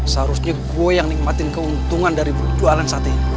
seharusnya gue yang nikmatin keuntungan dari jualan sate